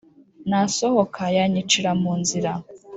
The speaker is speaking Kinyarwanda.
nasohoka yanyicira mu nzira”